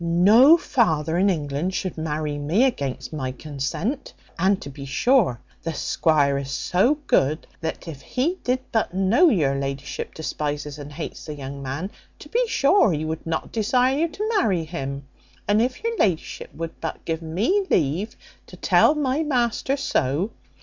no father in England should marry me against my consent. And, to be sure, the 'squire is so good, that if he did but know your la'ship despises and hates the young man, to be sure he would not desire you to marry him. And if your la'ship would but give me leave to tell my master so.